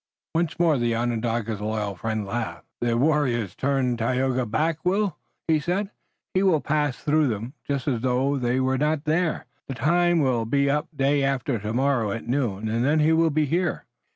Once more the Onondaga's loyal friend laughed. "The warriors turn Tayoga back, Will?" he said. "He will pass through 'em just as if they were not there. The time will be up day after tomorrow at noon, and then he will be here."